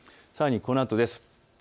さらにこのあとです。